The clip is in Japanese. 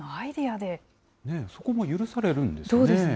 そこも許されるんですね。